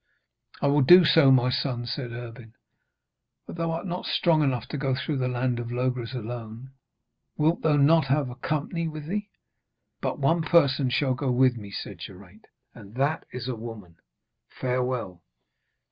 'I will do so, my son,' said Erbin, 'but thou art not strong enough to go through the land of Logres alone. Wilt thou not have a company with thee?' 'But one person shall go with me,' said Geraint, 'and that is a woman. Farewell.'